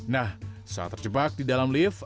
nah saat terjebak di dalam lift